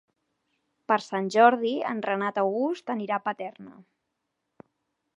Per Sant Jordi en Renat August anirà a Paterna.